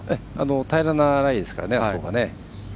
平らですからね、あそこが。